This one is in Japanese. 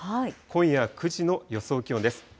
今夜９時の予想気温です。